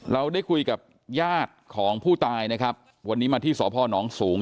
เราได้คุยกับญาติของผู้ตายนะครับวันนี้มาที่สพนสูง